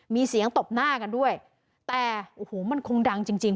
มีเสียงตบหน้ากันด้วยแต่โอ้โหมันคงดังจริงจริง